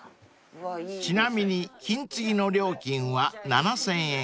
［ちなみに金継ぎの料金は７，０００円から］